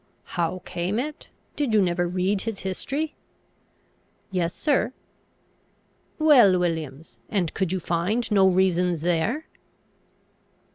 "How came it? Did you never read his history?" "Yes, sir." "Well, Williams, and could you find no reasons there?"